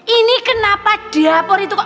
ini kenapa dilapor itu kok